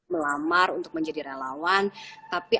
melamar untuk menjadi relawan tapi